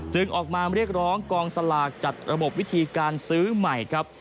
ออกมาเรียกร้องกองสลากจัดระบบวิธีการซื้อใหม่ครับ